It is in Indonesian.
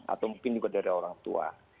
atau mungkin juga dari orang tua